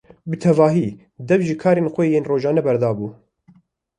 Bi tevahî dev ji karên xwe yên rojane berdabû.